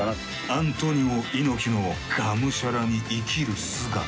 アントニオ猪木のがむしゃらに生きる姿。